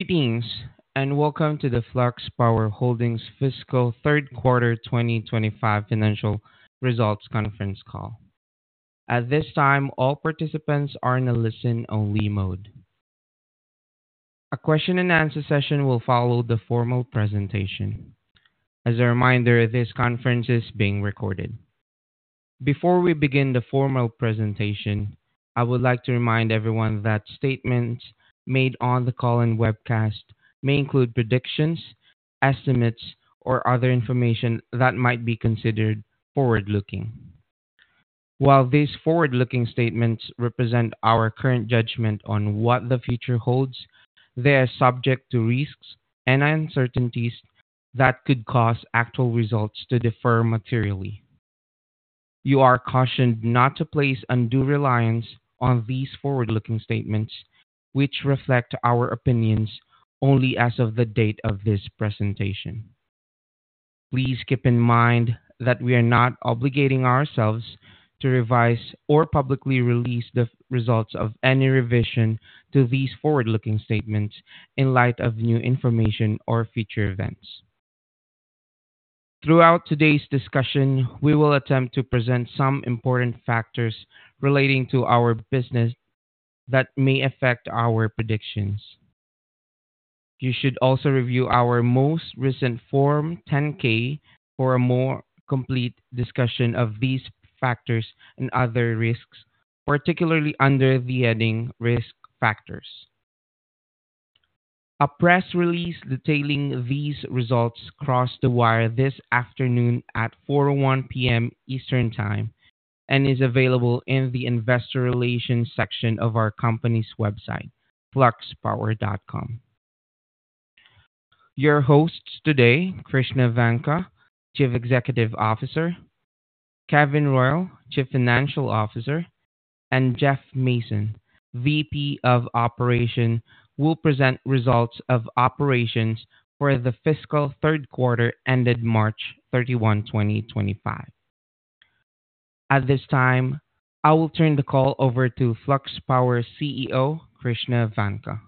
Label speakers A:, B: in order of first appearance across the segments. A: Greetings and welcome to the Flux Power Holdings' Fiscal Third Quarter 2025 Financial Results Conference Call. At this time, all participants are in a listen-only mode. A question-and-answer session will follow the formal presentation. As a reminder, this conference is being recorded. Before we begin the formal presentation, I would like to remind everyone that statements made on the call and webcast may include predictions, estimates, or other information that might be considered forward-looking. While these forward-looking statements represent our current judgment on what the future holds, they are subject to risks and uncertainties that could cause actual results to differ materially. You are cautioned not to place undue reliance on these forward-looking statements, which reflect our opinions only as of the date of this presentation. Please keep in mind that we are not obligating ourselves to revise or publicly release the results of any revision to these forward-looking statements in light of new information or future events. Throughout today's discussion, we will attempt to present some important factors relating to our business that may affect our predictions. You should also review our most recent Form 10-K for a more complete discussion of these factors and other risks, particularly under the heading "Risk Factors." A press release detailing these results crossed the wire this afternoon at 4:01 P.M. Eastern Time and is available in the Investor Relations section of our company's website, fluxpower.com. Your hosts today, Krishna Vanka, Chief Executive Officer; Kevin Royal, Chief Financial Officer; and Jeff Mason, VP of Operations, will present results of operations for the fiscal third quarter ended March 31, 2025. At this time, I will turn the call over to Flux Power CEO, Krishna Vanka.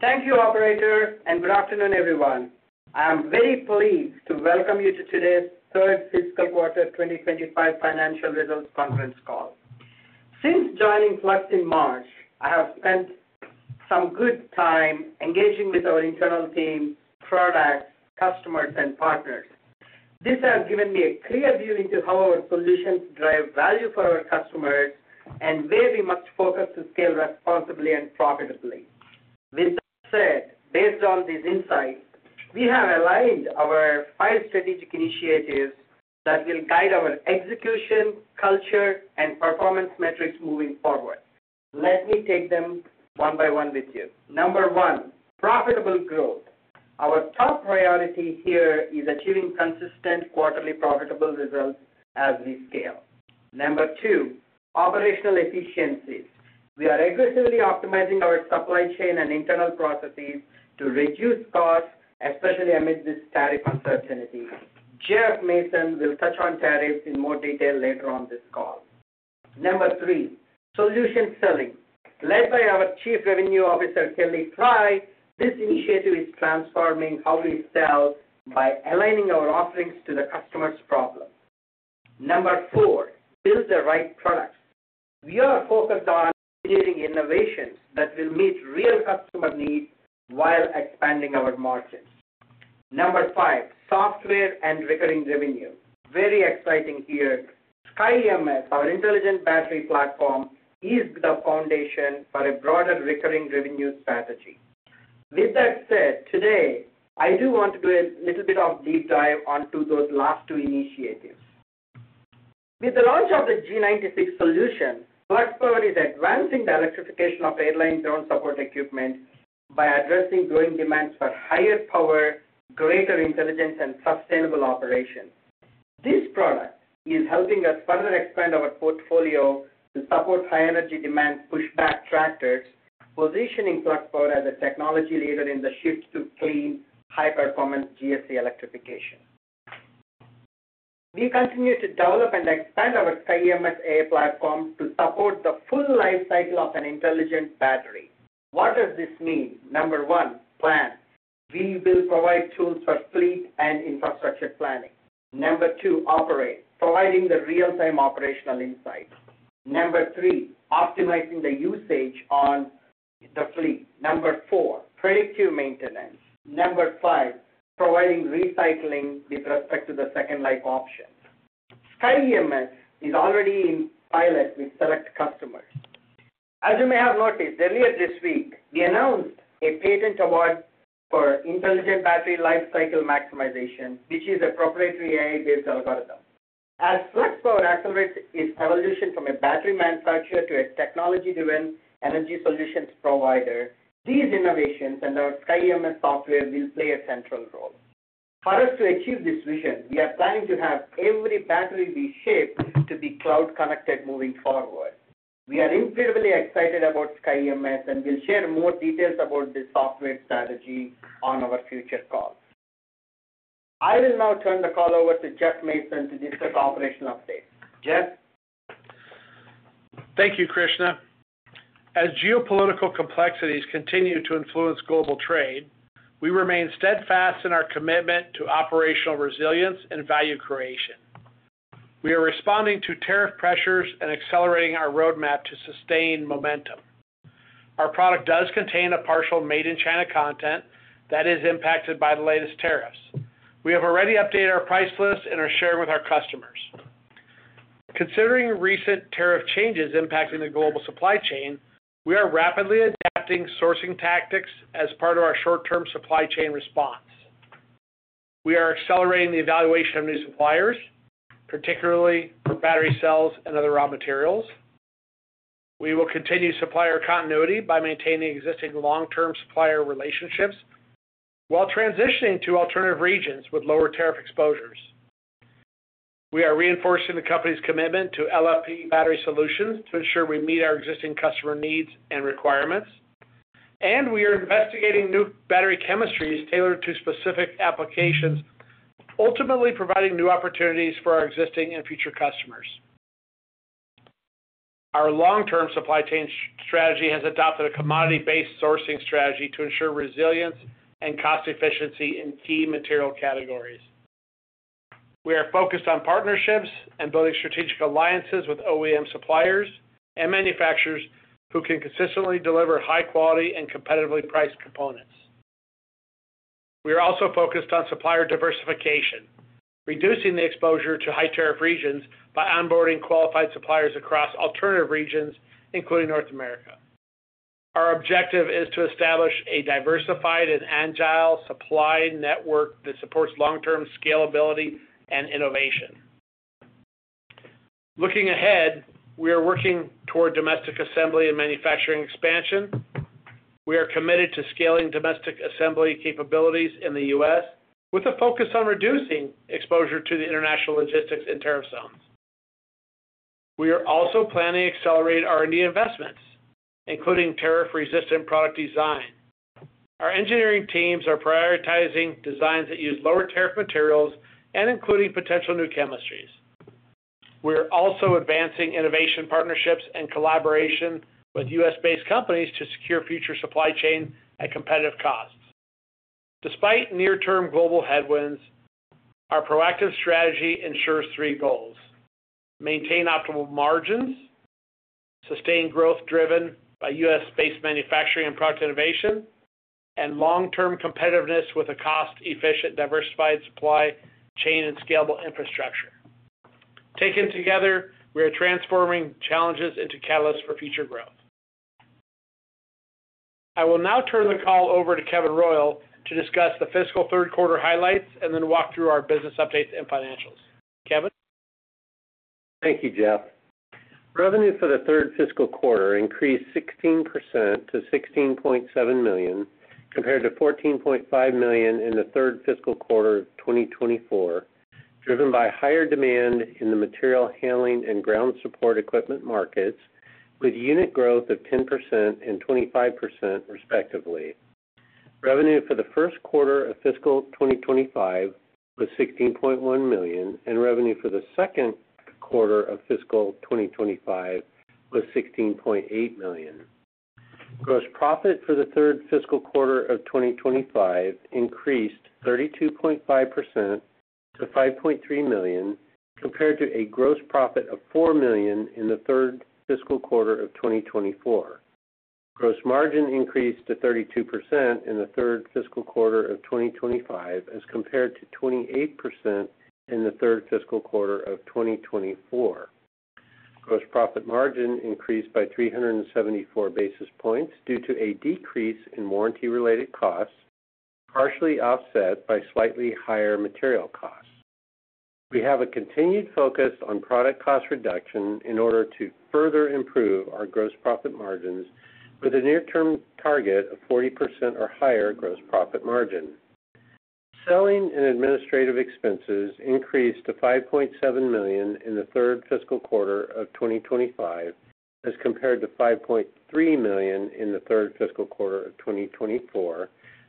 B: Thank you, Operator, and good afternoon, everyone. I am very pleased to welcome you to today's Third Quarter 2025 Financial Results Conference Call. Since joining Flux in March, I have spent some good time engaging with our internal teams, products, customers, and partners. This has given me a clear view into how our solutions drive value for our customers and where we must focus to scale responsibly and profitably. With that said, based on these insights, we have aligned our five strategic initiatives that will guide our execution, culture, and performance metrics moving forward. Let me take them one by one with you. Number one, profitable growth. Our top priority here is achieving consistent quarterly profitable results as we scale. Number two, operational efficiencies. We are aggressively optimizing our supply chain and internal processes to reduce costs, especially amid this tariff uncertainty. Jeff Mason will touch on tariffs in more detail later on this call. Number three, solution selling. Led by our Chief Revenue Officer, Kelly Frey, this initiative is transforming how we sell by aligning our offerings to the customer's problems. Number four, build the right products. We are focused on engineering innovations that will meet real customer needs while expanding our markets. Number five, software and recurring revenue. Very exciting here. SkyEMS, our intelligent battery platform, is the foundation for a broader recurring revenue strategy. With that said, today, I do want to do a little bit of a deep dive onto those last two initiatives. With the launch of the G96 solution, Flux Power is advancing the electrification of airline ground support equipment by addressing growing demands for higher power, greater intelligence, and sustainable operation. This product is helping us further expand our portfolio to support high-energy demand pushback tractors, positioning Flux Power as a technology leader in the shift to clean, high-performance GSE electrification. We continue to develop and expand our SkyEMS AI platform to support the full lifecycle of an intelligent battery. What does this mean? Number one, plan. We will provide tools for fleet and infrastructure planning. Number two, operate, providing the real-time operational insight. Number three, optimizing the usage on the fleet. Number four, predictive maintenance. Number five, providing recycling with respect to the second life option. SkyEMS is already in pilot with select customers. As you may have noticed, earlier this week, we announced a patent award for intelligent battery lifecycle maximization, which is a proprietary AI-based algorithm. As Flux Power accelerates its evolution from a battery manufacturer to a technology-driven energy solutions provider, these innovations and our SkyEMS software will play a central role. For us to achieve this vision, we are planning to have every battery we ship to be cloud-connected moving forward. We are incredibly excited about SkyEMS, and we'll share more details about the software strategy on our future call. I will now turn the call over to Jeff Mason to discuss operational updates. Jeff?
C: Thank you, Krishna. As geopolitical complexities continue to influence global trade, we remain steadfast in our commitment to operational resilience and value creation. We are responding to tariff pressures and accelerating our roadmap to sustain momentum. Our product does contain a partial made-in-China content that is impacted by the latest tariffs. We have already updated our price list and are sharing with our customers. Considering recent tariff changes impacting the global supply chain, we are rapidly adapting sourcing tactics as part of our short-term supply chain response. We are accelerating the evaluation of new suppliers, particularly for battery cells and other raw materials. We will continue supplier continuity by maintaining existing long-term supplier relationships while transitioning to alternative regions with lower tariff exposures. We are reinforcing the company's commitment to LFP battery solutions to ensure we meet our existing customer needs and requirements, and we are investigating new battery chemistries tailored to specific applications, ultimately providing new opportunities for our existing and future customers. Our long-term supply chain strategy has adopted a commodity-based sourcing strategy to ensure resilience and cost efficiency in key material categories. We are focused on partnerships and building strategic alliances with OEM suppliers and manufacturers who can consistently deliver high-quality and competitively priced components. We are also focused on supplier diversification, reducing the exposure to high-tariff regions by onboarding qualified suppliers across alternative regions, including North America. Our objective is to establish a diversified and agile supply network that supports long-term scalability and innovation. Looking ahead, we are working toward domestic assembly and manufacturing expansion. We are committed to scaling domestic assembly capabilities in the U.S. with a focus on reducing exposure to the international logistics and tariff zones. We are also planning to accelerate our new investments, including tariff-resistant product design. Our engineering teams are prioritizing designs that use lower-tariff materials and including potential new chemistries. We are also advancing innovation partnerships and collaboration with U.S.-based companies to secure future supply chain and competitive costs. Despite near-term global headwinds, our proactive strategy ensures three goals: maintain optimal margins, sustain growth driven by U.S.-based manufacturing and product innovation, and long-term competitiveness with a cost-efficient, diversified supply chain and scalable infrastructure. Taken together, we are transforming challenges into catalysts for future growth. I will now turn the call over to Kevin Royal to discuss the fiscal third quarter highlights and then walk through our business updates and financials. Kevin?
D: Thank you, Jeff. Revenue for the third fiscal quarter increased 16% to $16.7 million, compared to $14.5 million in the third fiscal quarter of 2024, driven by higher demand in the material handling and ground support equipment markets, with unit growth of 10% and 25%, respectively. Revenue for the first quarter of fiscal 2025 was $16.1 million, and revenue for the second quarter of fiscal 2025 was $16.8 million. Gross profit for the third fiscal quarter of 2025 increased 32.5% to $5.3 million, compared to a gross profit of $4 million in the third fiscal quarter of 2024. Gross margin increased to 32% in the third fiscal quarter of 2025, as compared to 28% in the third fiscal quarter of 2024. Gross profit margin increased by 374 basis points due to a decrease in warranty-related costs, partially offset by slightly higher material costs. We have a continued focus on product cost reduction in order to further improve our gross profit margins, with a near-term target of 40% or higher gross profit margin. Selling and administrative expenses increased to $5.7 million in the third fiscal quarter of 2025, as compared to $5.3 million in the third fiscal quarter of 2024,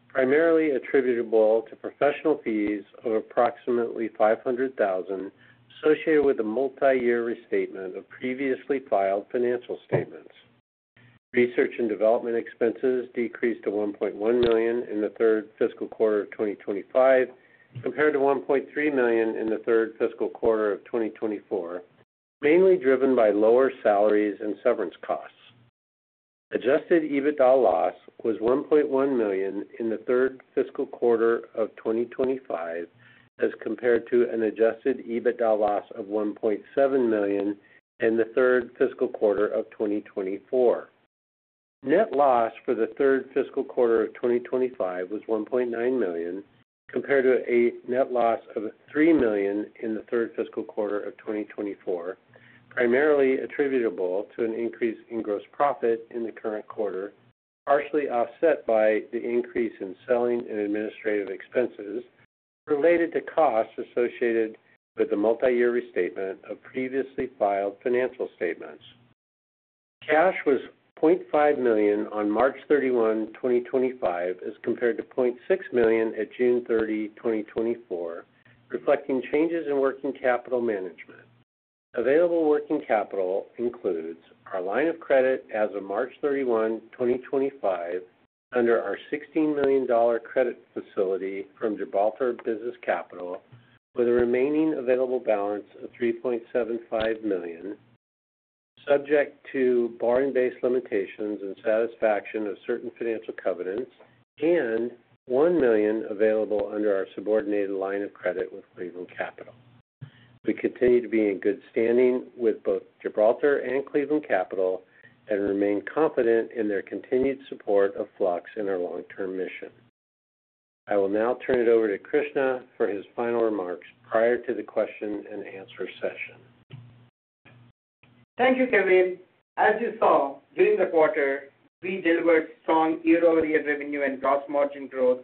D: primarily attributable to professional fees of approximately $500,000 associated with a multi-year restatement of previously filed financial statements. Research and development expenses decreased to $1.1 million in the third fiscal quarter of 2025, compared to $1.3 million in the third fiscal quarter of 2024, mainly driven by lower salaries and severance costs. Adjusted EBITDA loss was $1.1 million in the third fiscal quarter of 2025, as compared to an adjusted EBITDA loss of $1.7 million in the third fiscal quarter of 2024. Net loss for third fiscal quarter of 2025 was $1.9 million, compared to a net loss of $3 million in the third fiscal quarter of 2024, primarily attributable to an increase in gross profit in the current quarter, partially offset by the increase in selling and administrative expenses related to costs associated with the multi-year restatement of previously filed financial statements. Cash was $0.5 million on March 31, 2025, as compared to $0.6 million at June 30, 2024, reflecting changes in working capital management. Available working capital includes our line of credit as of March 31, 2025, under our $16 million credit facility from Gibraltar Business Capital, with a remaining available balance of $3.75 million, subject to borrowing-based limitations and satisfaction of certain financial covenants, and $1 million available under our subordinated line of credit with Cleveland Capital. We continue to be in good standing with both Gibraltar and Cleveland Capital and remain confident in their continued support of Flux in our long-term mission. I will now turn it over to Krishna for his final remarks prior to the question-and-answer session.
B: Thank you, Kevin. As you saw, during the quarter, we delivered strong year-over-year revenue and gross margin growth,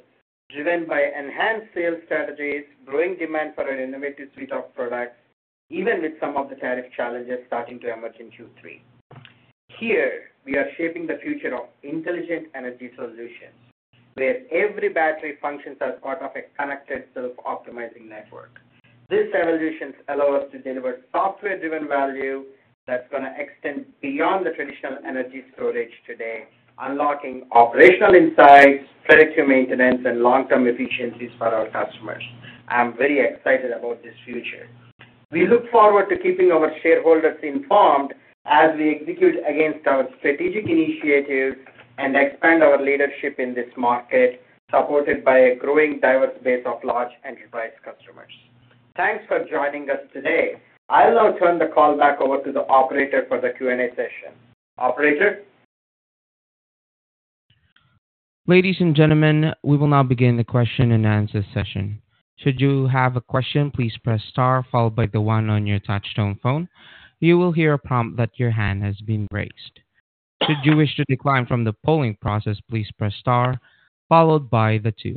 B: driven by enhanced sales strategies, growing demand for an innovative suite of products, even with some of the tariff challenges starting to emerge in Q3. Here, we are shaping the future of intelligent energy solutions, where every battery functions as part of a connected self-optimizing network. This evolution allow us to deliver software-driven value that's going to extend beyond the traditional energy storage today, unlocking operational insights, predictive maintenance, and long-term efficiencies for our customers. I'm very excited about this future. We look forward to keeping our shareholders informed as we execute against our strategic initiatives and expand our leadership in this market, supported by a growing diverse base of large enterprise customers. Thanks for joining us today. I'll now turn the call back over to the operator for the Q&A session. Operator?
A: Ladies and gentlemen, we will now begin the question-and-answer session. Should you have a question, please press star, followed by the one on your touchstone phone. You will hear a prompt that your hand has been raised. Should you wish to decline from the polling process, please press star, followed by the two.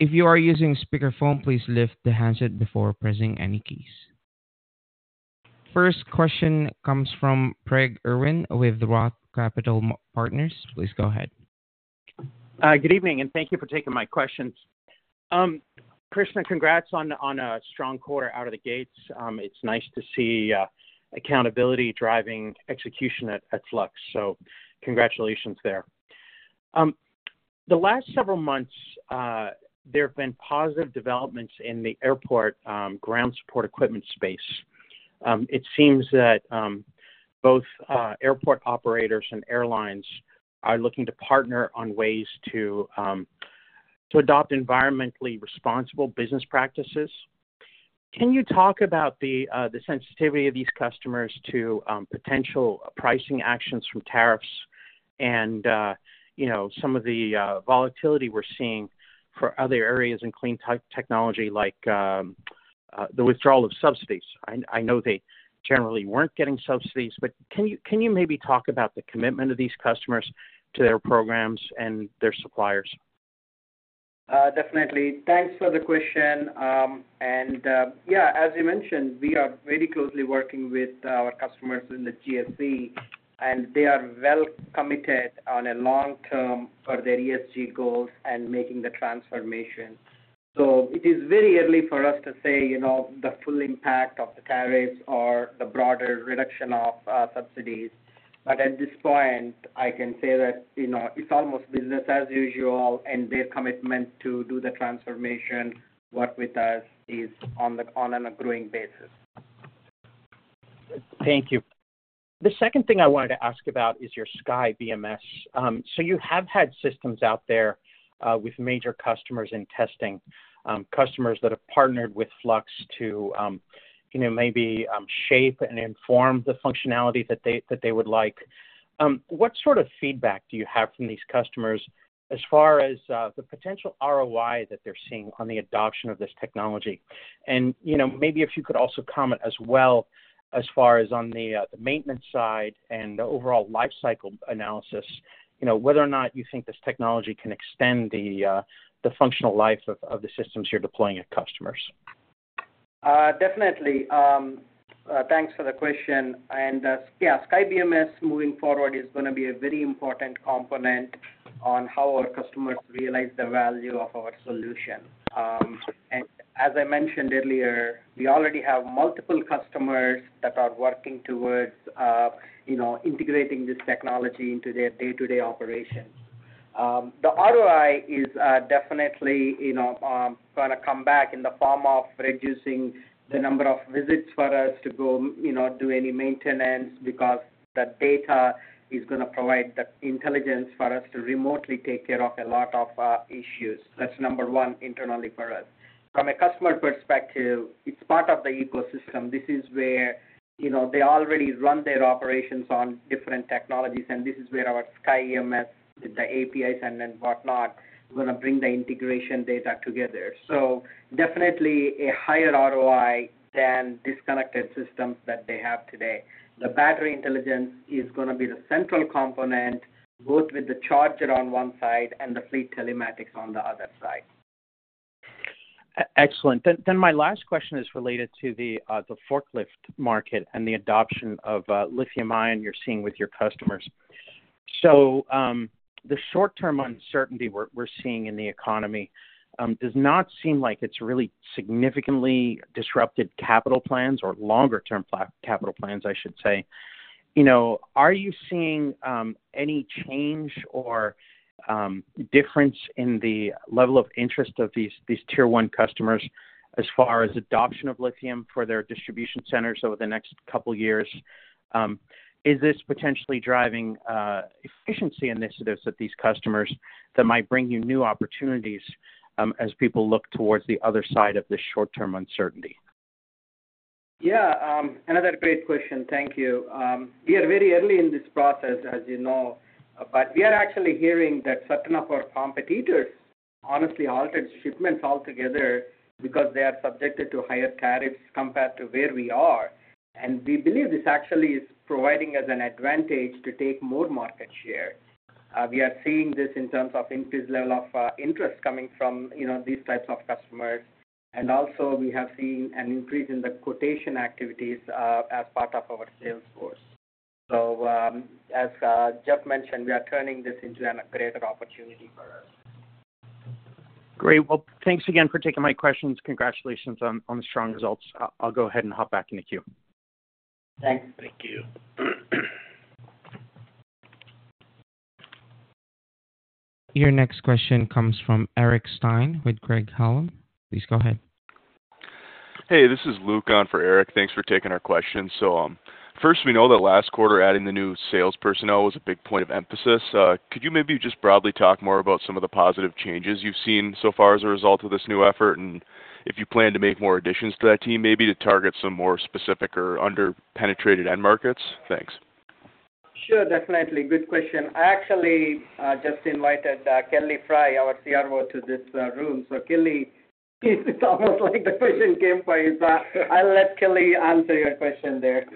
A: If you are using speakerphone, please lift the handset before pressing any keys. First question comes from Craig Irwin with ROTH Capital Partners. Please go ahead.
E: Good evening, and thank you for taking my questions. Krishna, congrats on a strong quarter out of the gates. It's nice to see accountability driving execution at Flux. So congratulations there. The last several months, there have been positive developments in the airport ground support equipment space. It seems that both airport operators and airlines are looking to partner on ways to adopt environmentally responsible business practices. Can you talk about the sensitivity of these customers to potential pricing actions from tariffs and some of the volatility we're seeing for other areas in clean technology, like the withdrawal of subsidies? I know they generally weren't getting subsidies, but can you maybe talk about the commitment of these customers to their programs and their suppliers?
B: Definitely. Thanks for the question. Yeah, as you mentioned, we are very closely working with our customers in the GSE, and they are well committed on a long term for their ESG goals and making the transformation. It is very early for us to say the full impact of the tariffs or the broader reduction of subsidies. At this point, I can say that it's almost business as usual, and their commitment to do the transformation, work with us, is on an ongoing basis.
E: Thank you. The second thing I wanted to ask about is your SkyBMS. You have had systems out there with major customers in testing, customers that have partnered with Flux to maybe shape and inform the functionality that they would like. What sort of feedback do you have from these customers as far as the potential ROI that they're seeing on the adoption of this technology? If you could also comment as well as far as on the maintenance side and the overall lifecycle analysis, whether or not you think this technology can extend the functional life of the systems you're deploying at customers.
B: Definitely. Thanks for the question. Yeah, SkyBMS moving forward is going to be a very important component on how our customers realize the value of our solution. As I mentioned earlier, we already have multiple customers that are working towards integrating this technology into their day-to-day operations. The ROI is definitely going to come back in the form of reducing the number of visits for us to go do any maintenance because the data is going to provide the intelligence for us to remotely take care of a lot of issues. That is number one internally for us. From a customer perspective, it is part of the ecosystem. This is where they already run their operations on different technologies, and this is where our SkyEMS with the APIs and whatnot is going to bring the integration data together. Definitely a higher ROI than disconnected systems that they have today. The battery intelligence is going to be the central component, both with the charger on one side and the fleet telematics on the other side.
E: Excellent. My last question is related to the forklift market and the adoption of lithium-ion you're seeing with your customers. The short-term uncertainty we're seeing in the economy does not seem like it's really significantly disrupted capital plans or longer-term capital plans, I should say. Are you seeing any change or difference in the level of interest of these tier-one customers as far as adoption of lithium for their distribution centers over the next couple of years? Is this potentially driving efficiency initiatives at these customers that might bring you new opportunities as people look towards the other side of this short-term uncertainty?
B: Yeah, another great question. Thank you. We are very early in this process, as you know, but we are actually hearing that certain of our competitors honestly halted shipments altogether because they are subjected to higher tariffs compared to where we are. We believe this actually is providing us an advantage to take more market share. We are seeing this in terms of increased level of interest coming from these types of customers. Also, we have seen an increase in the quotation activities as part of our sales force. As Jeff mentioned, we are turning this into a greater opportunity for us.
E: Great. Thanks again for taking my questions. Congratulations on the strong results. I'll go ahead and hop back into queue.
B: Thanks.
D: Thank you.
A: Your next question comes from Eric Stine with Craig-Hallum. Please go ahead.
F: Hey, this is Luke on for Eric. Thanks for taking our questions. First, we know that last quarter adding the new sales personnel was a big point of emphasis. Could you maybe just broadly talk more about some of the positive changes you've seen so far as a result of this new effort, and if you plan to make more additions to that team, maybe to target some more specific or under-penetrated end markets? Thanks.
B: Sure, definitely. Good question. I actually just invited Kelly Frey, our CRO, to this room. Kelly, it's almost like the question came by. I'll let Kelly answer your question there.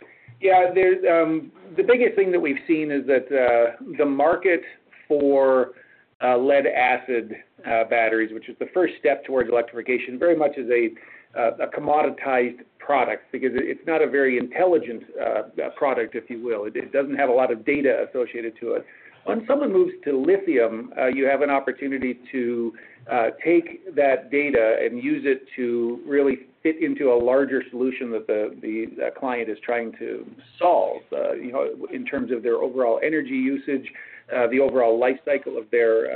G: Yeah, the biggest thing that we've seen is that the market for lead-acid batteries, which is the first step towards electrification, very much is a commoditized product because it's not a very intelligent product, if you will. It doesn't have a lot of data associated to it. When someone moves to lithium, you have an opportunity to take that data and use it to really fit into a larger solution that the client is trying to solve in terms of their overall energy usage, the overall lifecycle of their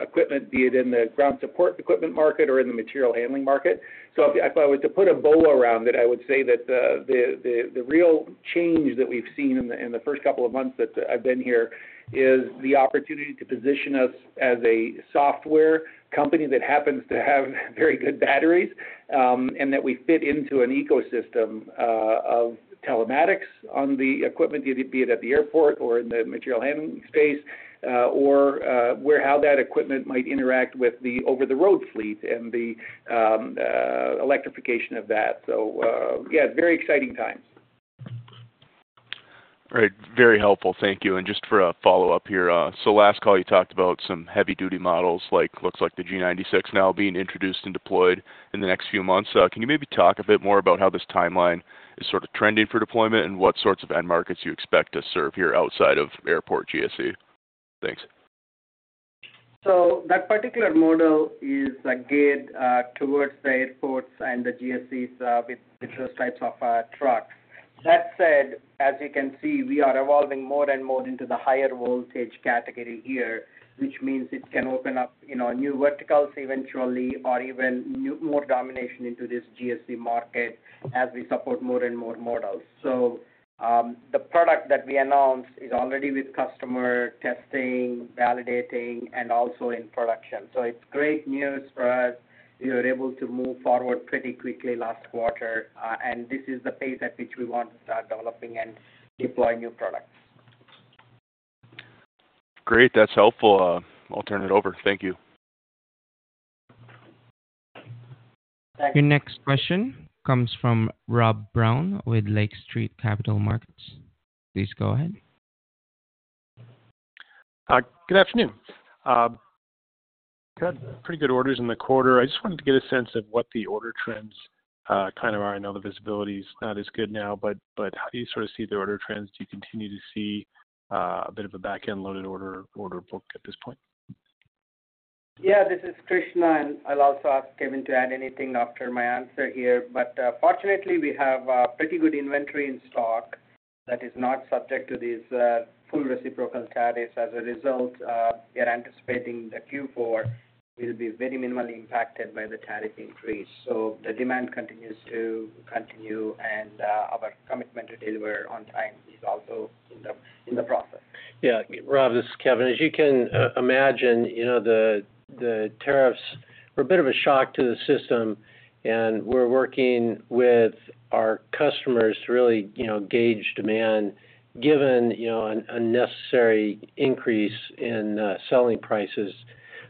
G: equipment, be it in the ground support equipment market or in the material handling market. If I were to put a bow around it, I would say that the real change that we've seen in the first couple of months that I've been here is the opportunity to position us as a software company that happens to have very good batteries and that we fit into an ecosystem of telematics on the equipment, be it at the airport or in the material handling space, or how that equipment might interact with the over-the-road fleet and the electrification of that. Yeah, very exciting times.
F: All right. Very helpful. Thank you. Just for a follow-up here, last call you talked about some heavy-duty models, like looks like the G96 now being introduced and deployed in the next few months. Can you maybe talk a bit more about how this timeline is sort of trending for deployment and what sorts of end markets you expect to serve here outside of airport GSE? Thanks.
B: That particular model is geared towards the airports and the GSEs with those types of trucks. That said, as you can see, we are evolving more and more into the higher voltage category here, which means it can open up new verticals eventually or even more domination into this GSE market as we support more and more models. The product that we announced is already with customer testing, validating, and also in production. It is great news for us. We were able to move forward pretty quickly last quarter, and this is the pace at which we want to start developing and deploy new products.
F: Great. That's helpful. I'll turn it over. Thank you.
B: Thank you.
A: Your next question comes from Rob Brown with Lake Street Capital Markets. Please go ahead.
H: Good afternoon. I've had pretty good orders in the quarter. I just wanted to get a sense of what the order trends kind of are. I know the visibility is not as good now, but how do you sort of see the order trends? Do you continue to see a bit of a back-end loaded order book at this point?
B: Yeah, this is Krishna. I'll also ask Kevin to add anything after my answer here. Fortunately, we have pretty good inventory in stock that is not subject to these full reciprocal tariffs. As a result, we are anticipating that Q4 will be very minimally impacted by the tariff increase. The demand continues to continue, and our commitment to deliver on time is also in the process.
D: Yeah, Rob, this is Kevin. As you can imagine, the tariffs were a bit of a shock to the system, and we're working with our customers to really gauge demand given a necessary increase in selling prices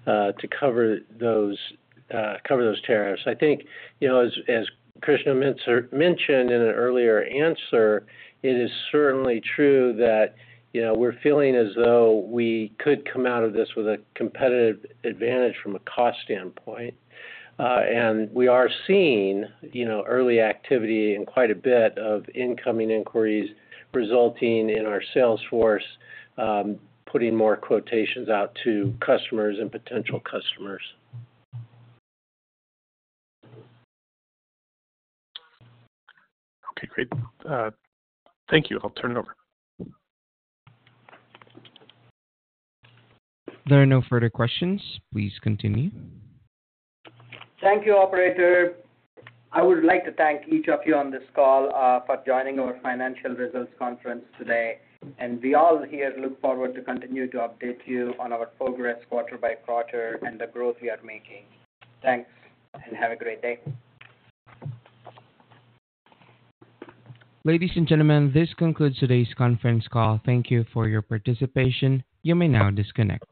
D: to cover those tariffs. I think as Krishna mentioned in an earlier answer, it is certainly true that we're feeling as though we could come out of this with a competitive advantage from a cost standpoint. We are seeing early activity and quite a bit of incoming inquiries resulting in our sales force putting more quotations out to customers and potential customers.
H: Okay, great. Thank you. I'll turn it over.
A: If there are no further questions, please continue.
B: Thank you, Operator. I would like to thank each of you on this call for joining our financial results conference today. We all here look forward to continue to update you on our progress quarter by quarter and the growth we are making. Thanks and have a great day.
A: Ladies and gentlemen, this concludes today's conference call. Thank you for your participation. You may now disconnect.